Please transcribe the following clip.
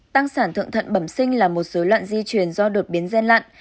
tăng sản thượng thuận bẩm sinh là một giới loạn di truyền do đột biến gen lặn